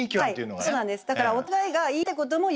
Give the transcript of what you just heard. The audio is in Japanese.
そうなんですよ。